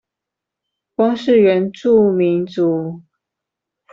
光是原住民族